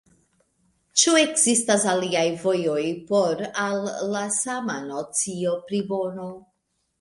Ĉu ekzistas aliaj vojoj por al la sama nocio pri bono?